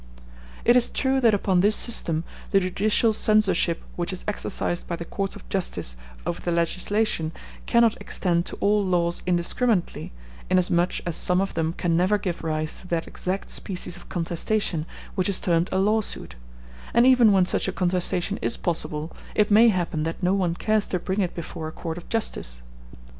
It is true that upon this system the judicial censorship which is exercised by the courts of justice over the legislation cannot extend to all laws indiscriminately, inasmuch as some of them can never give rise to that exact species of contestation which is termed a lawsuit; and even when such a contestation is possible, it may happen that no one cares to bring it before a court of justice.